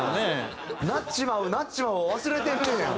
「なっちまうなっちまう」を忘れてるんや。